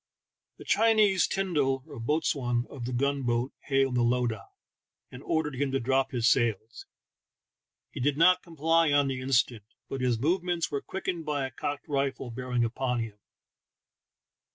The Chinese tyndal (boatswain) of the gun boat hailed the lowdah, and ordered him to drop his sails; he did not comply on the instant, but his movements were quickened by a cocked rifle bear ing upon him.